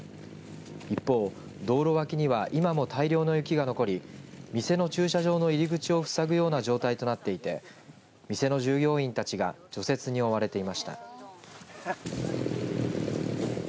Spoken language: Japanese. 一方、道路脇には今も大量の雪が残り店の駐車場の入り口を塞ぐような状態となっていて店の従業員たちが除雪に追われていました。